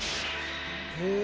へえ。